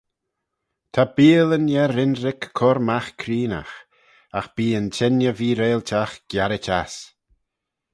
Ta beeal yn er-ynrick cur magh creenaght: agh bee yn chengey vee-reiltagh giarit ass.